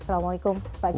assalamualaikum pak kiai